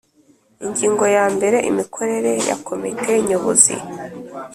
Ingingo ya mbere Imikorere ya Komite Nyobozi